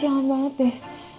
jangan banget deh